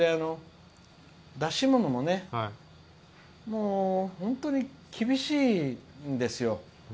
出し物も本当に厳しいんですよ。